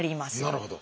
なるほど。